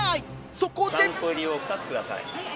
そこで。